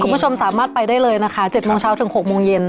คุณผู้ชมสามารถไปได้เลยนะคะ๗โมงเช้าถึง๖โมงเย็น